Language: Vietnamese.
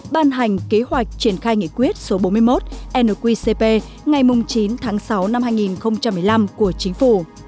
ban hành kế hoạch triển khai nghị quyết số bốn mươi một nqcp ngày chín tháng sáu năm hai nghìn một mươi năm của chính phủ